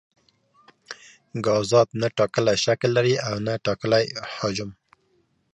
ګازات نه ټاکلی شکل لري او نه ټاکلی حجم.